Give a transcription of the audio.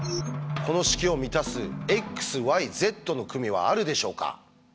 この式を満たす「ｘｙｚの組」はあるでしょうか？